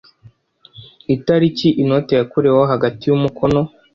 itariki inoti yakoreweho hagati y umukono